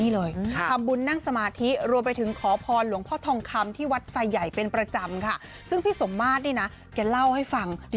ลูกรุกนะตอนฝั่ง